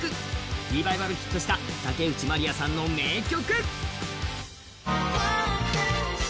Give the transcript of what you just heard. リバイバルヒットした竹内まりやさんの名曲。